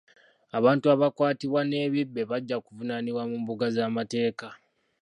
Abantu abakwatibwa n'ebibbe bajja kuvunaanwa mu mbuga z'amateeka .